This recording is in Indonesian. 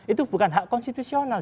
itu bukan hak konstitusional